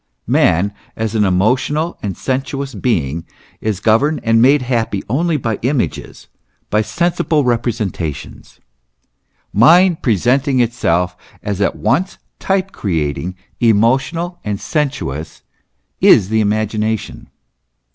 Man, as an emotional and sensuous being, is governed and made happy only by images, by sensible representations. Mind presenting itself as at once type creating, emotional, and sen suous, is the imagination.